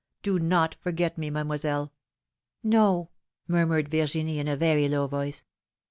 Do not forget me, Mademoiselle!" No," murmured Virginie, in a very low voice.